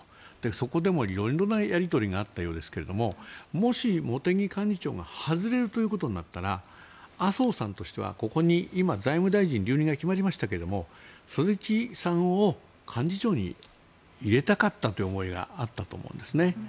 そこでも色々なやり取りがあったようですがもし、茂木幹事長が外れるということになったら麻生さんとしては、ここに今財務大臣の留任が決まりましたが鈴木さんを幹事長に入れたかったという思いがあったと思うんですね。